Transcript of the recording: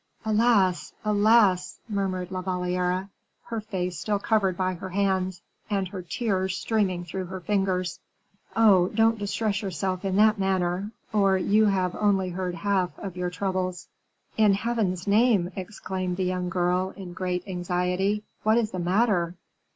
"Alas! alas!" murmured La Valliere, her face still covered by her hands, and her tears streaming through her fingers. "Oh, don't distress yourself in that manner, or you have only heard half of your troubles." "In Heaven's name," exclaimed the young girl, in great anxiety, "what is the matter?"